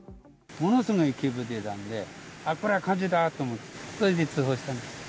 ものすごい煙出たんで、あっ、これは火事だと思って、それで通報したんです。